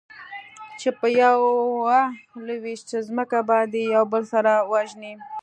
چې په يوه لوېشت ځمکه باندې يو بل سره وژني.